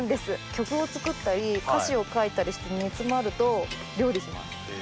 曲を作ったり歌詞を書いたりして煮詰まると料理します。